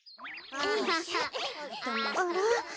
あら？